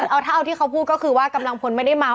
เอาถ้าเอาที่เขาพูดก็คือว่ากำลังพลไม่ได้เมา